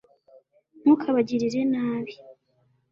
ntukabagirire nabi